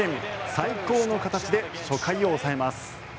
最高の形で初回を抑えます。